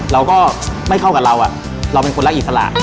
เราก็ไม่เข้ากับเราเราเป็นคนรักอิสระ